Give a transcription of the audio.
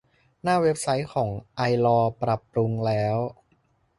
หน้าเว็บไซต์ของไอลอว์ ปรับปรุงแล้ว